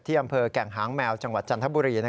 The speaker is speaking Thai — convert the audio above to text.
อำเภอแก่งหางแมวจังหวัดจันทบุรี